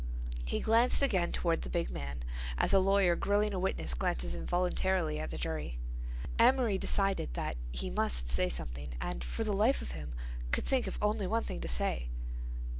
He glanced again toward the big man, as a lawyer grilling a witness glances involuntarily at the jury. Amory decided that he must say something and for the life of him could think of only one thing to say.